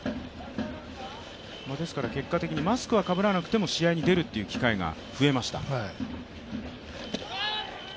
ですから結局マスクをかぶらなくても試合に出る機会が増えました。